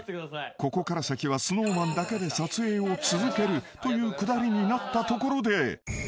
ここから先はＳｎｏｗＭａｎだけで撮影を続けるというくだりになったところで］